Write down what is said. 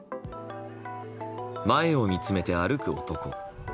前を見つめて歩く男。